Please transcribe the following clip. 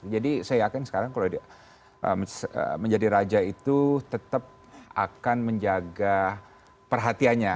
jadi saya yakin sekarang kalau dia menjadi raja itu tetap akan menjaga perhatiannya